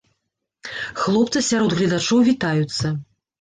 Хлопцы сярод гледачоў вітаюцца!